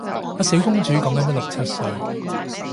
阿小公主講緊得六七歲